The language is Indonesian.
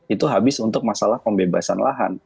itu habis untuk masalah pembebasan lahan